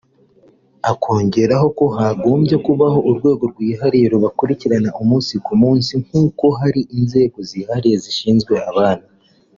akongeraho ko hagombye kubaho urwego rwihariye rubakurikirana umunsi ku munsi nk’uko hariho inzego zihariye zishinzwe abana